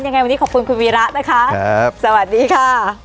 ยังไงวันนี้ขอบคุณคุณวีระนะคะครับสวัสดีค่ะ